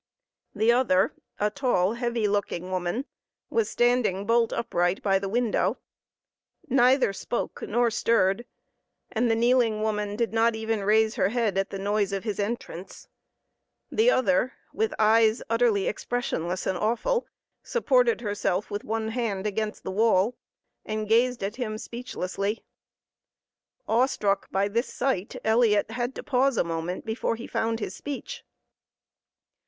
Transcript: The other a tall, heavy looking woman was standing bolt upright by the window. Neither spoke nor stirred, and the kneeling woman did not even raise her head at the noise of his entrance; the other, with eyes utterly expressionless and awful, supported herself with one hand against the wall, and gazed at him speechlessly. Awestruck by this sight, Elliot had to pause a moment before he found his speech.